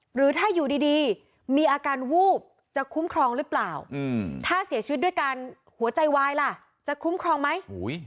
หรือถ้าอยู่ดีมีอาการวูบจะคุ้มครองหรือเปล่าถ้าเสียชีวิตด้วยการหัวใจวายล่ะจะคุ้มครองไหม